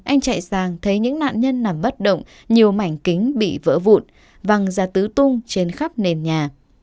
anh chạy sàng thấy những nạn nhân nằm bất động nhiều mảnh kính bị vỡ vụn văng ra tứ tung trên khắp nền nhà